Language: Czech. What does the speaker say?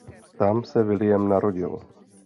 Tam se William narodil.